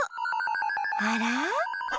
あら？